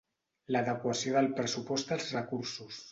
L'adequació del pressupost als recursos.